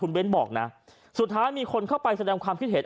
เบ้นบอกนะสุดท้ายมีคนเข้าไปแสดงความคิดเห็น